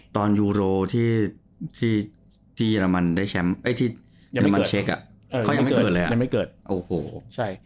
ตอนยูโรที่เยอรมันเช็คยังไม่เกิดเลย